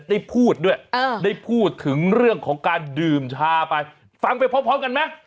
ได้พูดด้วยได้พูดถึงเรื่องของการดื่มชาไปฟังไปพร้อมกันไหม